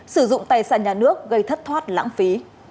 sử dụng tài sản nhà nước gây thất thoát lãng phí